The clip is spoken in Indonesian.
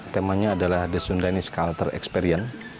temanya adalah desundani skala tereksperien